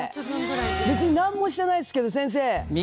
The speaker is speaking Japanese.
別になんもしてないですけど先生。